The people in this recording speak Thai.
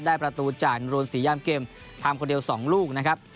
ได้ประตูจากนุรสีย่ามเกมพามคนเดียว๒ลูกนะครับ